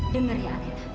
dengar ya tante